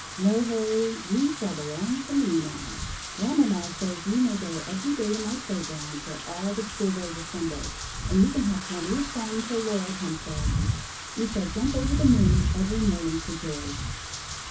"No, Harry! you shall belong to me now. Grandmama says you may go every day to my play ground, where all the school boys assemble, and you can have plenty of fun till Laura comes back. We shall jump over the moon every morning, for joy."